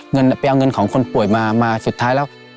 ไปเอาเงินของคนป่วยมามาสุดท้ายแล้ว